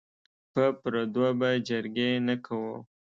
په پردو به جرګې نه کوو.